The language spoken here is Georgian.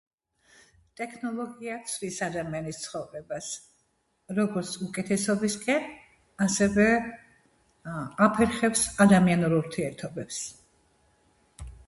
ტექნოლოგია ცვლის ადამიანის ცხოვრებას როგორც უკეთესობისკენ ასევე აფერხებს ადამიანურ ურთიერთობებს